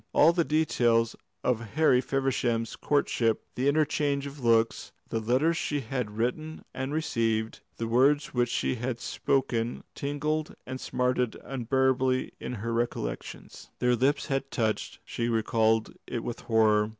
All the details of Harry Feversham's courtship, the interchange of looks, the letters she had written and received, the words which had been spoken, tingled and smarted unbearably in her recollections. Their lips had touched she recalled it with horror.